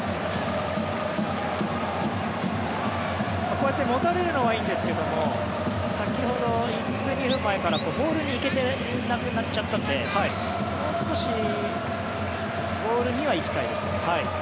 こうやって持たれるのはいいんですが先ほど、１分、２分前からボールに行けなくなっちゃったのでもう少しボールには行きたいですね。